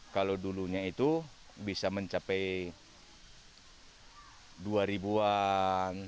kalau dulunya itu bisa mencapai dua ribu an